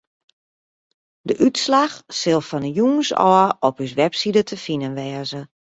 De útslach sil fan 'e jûns ôf op ús website te finen wêze.